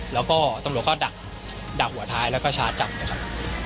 แล้วก็ตำรวจก็ดักหัวท้ายแล้วก็ชาร์จจับเลยครับ